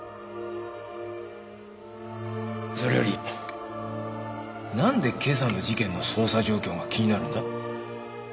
それよりなんで今朝の事件の捜査状況が気になるんだ？